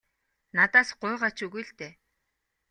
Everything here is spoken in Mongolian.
Надаас гуйгаа ч үгүй л дээ.